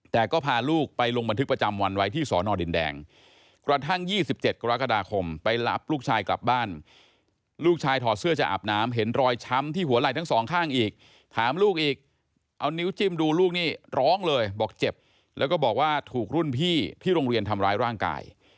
แต่ก็พาลูกไปลงบันทึกประจำวันไว้ที่สอนอดินแดงกระทั่ง๒๗กรกฎาคมไปรับลูกชายกลับบ้านลูกชายถอดเสื้อจะอาบน้ำเห็นรอยช้ำที่หัวไหล่ทั้งสองข้างอีกถามลูกอีกเอานิ้วจิ้มดูลูกนี่ร้องเลยบอกเจ็บแล้วก็บอกว่าถูกรุ่นพี่ที่โรงเรียนทำร้ายร่างกาย